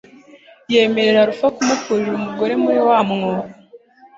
yemerera Orpheus kumukurira umugore muri wa mwobo